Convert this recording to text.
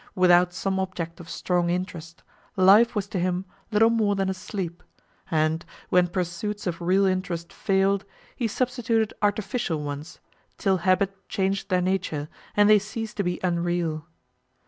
Without some object of strong interest, life was to him little more than a sleep; and, when pursuits of real interest failed, he substituted artificial ones, till habit changed their nature, and they ceased to be unreal.